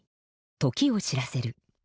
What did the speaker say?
時を知らせる。